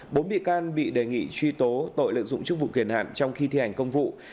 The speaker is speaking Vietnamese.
bốn bị can bị đề nghị truy tố tội lợi dụng chức vụ kiền hạn trong khi thi hành công vụ